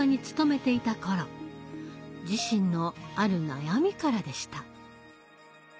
自身のある悩みからでした。